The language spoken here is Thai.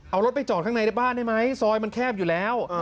เอารถไปจอดข้างในในบ้านได้ไหมซอยมันแคบอยู่แล้ว